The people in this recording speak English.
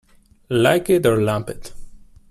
Like it or lump it.